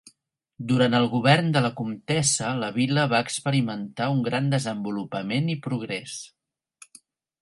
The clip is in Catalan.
Durant el govern de la comtessa la vila va experimentar un gran desenvolupament i progrés.